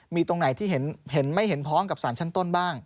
มีตรงไหนที่เห็นไม่เห็นพ้องกับสารชั้นต้นบ้าง